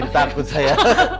jadi takut saya